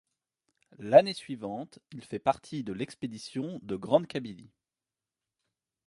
L'année suivante, il fait partie de l'expédition de Grande-Kabylie.